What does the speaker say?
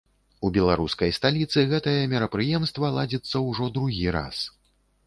У беларускай сталіцы гэтае мерапрыемства ладзіцца ўжо другі раз.